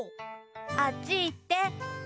あっちいって。